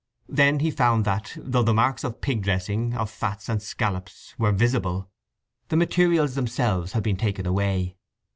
Then he found that, though the marks of pig dressing, of fats and scallops, were visible, the materials themselves had been taken away.